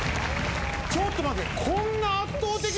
ちょっと待って。